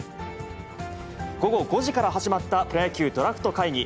午後５時から始まったプロ野球ドラフト会議。